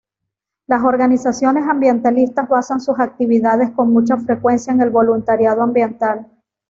Las organizaciones ambientalistas basan sus actividades con mucha frecuencia en el voluntariado ambiental.